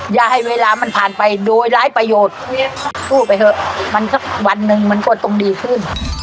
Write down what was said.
อย่าให้เวลามันผ่านไปโดยร้ายประโยชน์พูดไปเถอะมันสักวันหนึ่งมันก็ต้องดีขึ้น